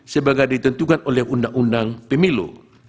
sebagai ditentukan oleh undang undang pemilu